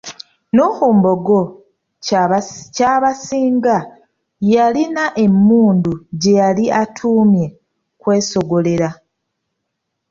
Nuhu Mbogo Kyabasinga yalina emmundu gyeyali atuumye Kwesoggolera.